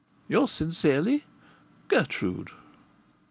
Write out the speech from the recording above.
Yours sincerely, Gertrude."